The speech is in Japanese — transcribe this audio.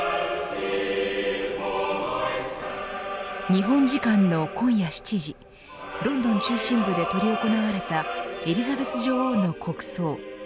日本時間の今夜７時ロンドン中心部で執り行われたエリザベス女王の国葬。